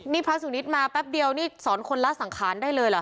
นี่พระสุนิทมาแป๊บเดียวนี่สอนคนละสังขารได้เลยเหรอ